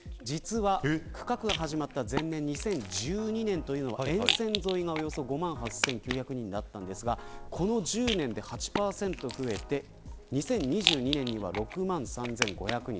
区画が始まった前年の２０１２年は沿線沿いがおよそ５万８９００人でしたがこの１０年で８％増えて２０２２年には６万３５００人。